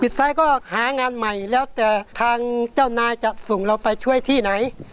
ซ้ายก็หางานใหม่แล้วแต่ทางเจ้านายจะส่งเราไปช่วยที่ไหน